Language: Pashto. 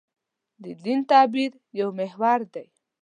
د دین تعبیر یو محور دی.